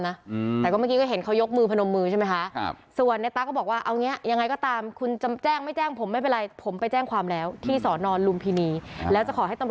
นะครับเดี๋ยวผมไพร่วีดีโอไว้